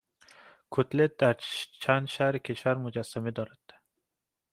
کتلت در چند شهر کشور مجسمه دارد